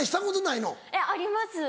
いやあります。